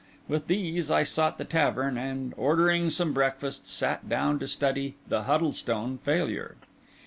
With these I sought the tavern, and, ordering some breakfast, sat down to study the "Huddlestone Failure."